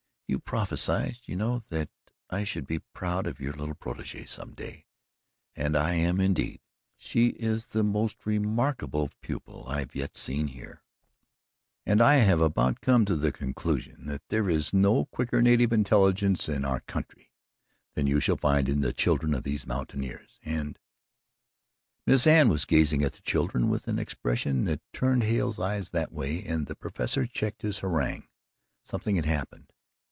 "You prophesied, you know, that I should be proud of your little protege some day, and I am indeed. She is the most remarkable pupil I've yet seen here, and I have about come to the conclusion that there is no quicker native intelligence in our country than you shall find in the children of these mountaineers and " Miss Anne was gazing at the children with an expression that turned Hale's eyes that way, and the Professor checked his harangue. Something had happened.